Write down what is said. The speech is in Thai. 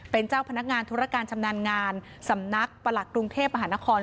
เป็นเจ้าพนักงานธุรการชำนาญงานสำนักประหลักกรุงเทพมหานคร